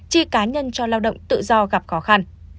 chi cá nhân cho lao động tự do gặp khó khăn